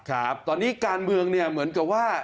ครับตอนนี้การเมืองเนี่ยเหมือนกับว่า